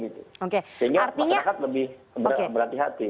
sehingga masyarakat lebih